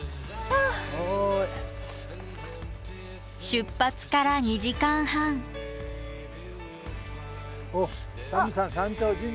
出発から２時間半おっ三瓶山山頂神社。